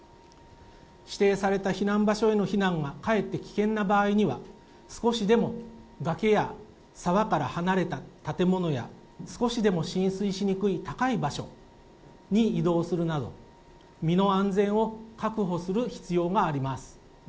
指定された避難場所への避難がかえって危険な場合には少しでも崖や沢から離れた建物や、少しでも浸水しにくい高い場所に移動するなど、身の安全を確保する必要があります。